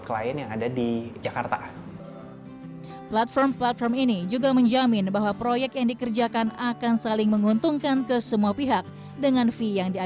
klien yang ada di jakarta platform platform ini juga menjamin bahwa proyek yang dikerjakan akan